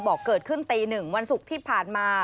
บอกเกิดขึ้นตีหนึ่งวันศุกร์ที่ผ่านมา